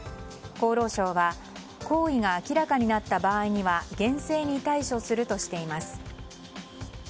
厚労省は行為が明らかになった場合には厳正に対処するとしています。